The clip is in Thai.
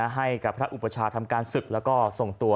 ให้กับพระอุปชาทำการศึกแล้วก็ส่งตัว